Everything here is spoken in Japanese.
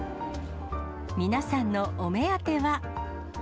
皆さんのお目当ては。